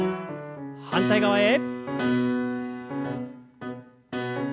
反対側へ。